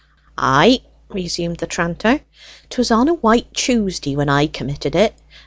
"Ay," resumed the tranter, "'twas on a White Tuesday when I committed it.